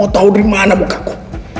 mau tau dari mana muka ku